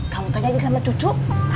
kamu tanya di sama cucu